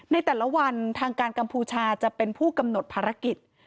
ในแต่ละวันทางการกัมพูชาจะเป็นผู้กำหนดภารกิจ